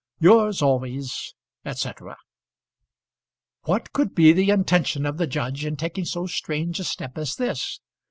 Yours always, &c. What could be the intention of the judge in taking so strange a step as this?